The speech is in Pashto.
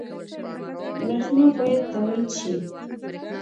برښنا باید تولید شي